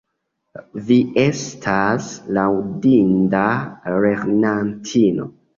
Vi estas laŭdinda lernantino!